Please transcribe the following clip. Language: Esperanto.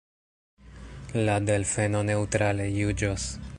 La delfeno neŭtrale juĝos.